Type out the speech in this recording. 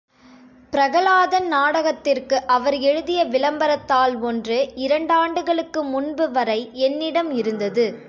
பிரகலாதன் நாடகத்திற்கு அவர் எழுதிய விளம்பரத்தாள் ஒன்று இரண்டாண்டுகளுக்கு முன்புவரை என்னிடம் இருந்தது.